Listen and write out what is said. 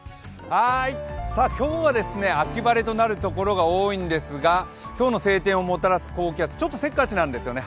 はーい、今日は秋晴れとなるところが多いんですが今日の晴天をもたらす高気圧、ちょっとせっかちなんですよね。